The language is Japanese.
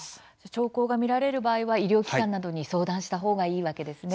兆候が見られる場合は医療機関などに相談した方がいいわけですね。